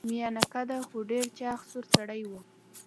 میانه قده خو ډیر چاغ سور سړی و.